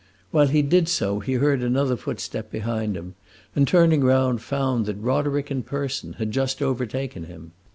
While he did so he heard another footstep behind him, and turning round found that Roderick in person had just overtaken him.